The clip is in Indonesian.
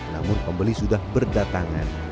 namun pembeli sudah berdatangan